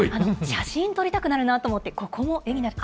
写真撮りたくなるなと思って、ここも絵になる。